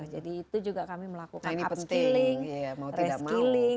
jadi itu juga kami melakukan upskilling reskilling